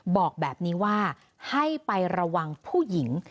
บอกแบบนี้ว่าให้ไประวังผู้หญิง